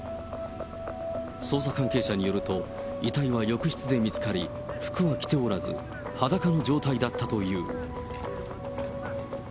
捜査関係者によると、遺体は浴室で見つかり、服は着ておらず、裸の状態だったという。